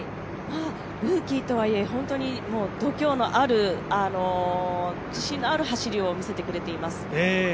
ルーキーとはいえ、度胸のある、自信のある走りを見せてくれています。